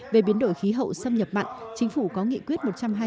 về biến đổi khí hậu xâm nhập mặn chính phủ có nghị quyết một trăm hai mươi